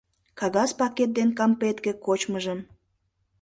Кагаз пакет ден кампетке кочмыжым